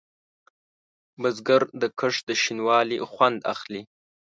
بزګر د کښت د شین والي خوند اخلي